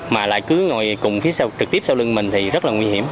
mà lại cứ ngồi cùng phía sau trực tiếp sau lưng mình thì rất là nguy hiểm